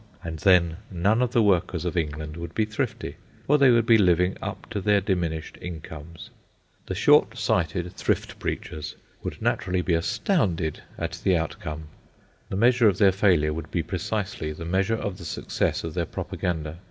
And then none of the workers of England would be thrifty, for they would be living up to their diminished incomes. The short sighted thrift preachers would naturally be astounded at the outcome. The measure of their failure would be precisely the measure of the success of their propaganda.